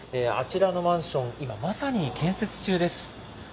あちらのマンション、今、まさに建設中です。